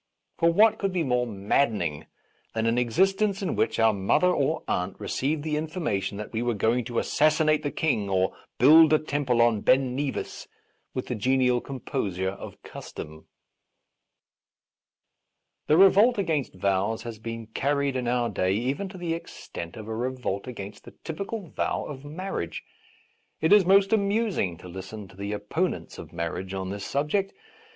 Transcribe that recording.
For what could be more maddening than an ex istence in which our mother or aunt re ceived the information that we were going to assassinate the King or build a temple on Ben Nevis with the genial composure of custom ? A Defence of Rash Vows The revolt against vows has been carried in our day even to the extent of a revolt against the typical vow of marriage. It is most amusing to listen to the opponents of marriage on this subject.